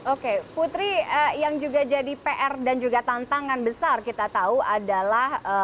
oke putri yang juga jadi pr dan juga tantangan besar kita tahu adalah